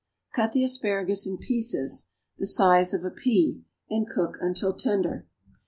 _ Cut the asparagus in pieces of the size of a pea and cook until tender.